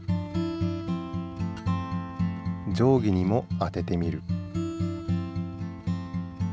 じょうぎにも当ててみる。